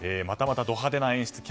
またまたド派手な演出。